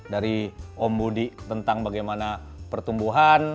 dari om budi tentang bagaimana pertumbuhan